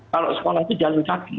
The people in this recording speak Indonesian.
kalau sekolah itu jalan kaki